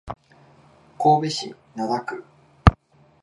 神戸市灘区